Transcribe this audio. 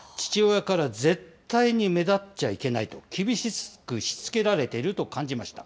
父親から絶対に目立っちゃいけないと、厳しくしつけられていると感じました。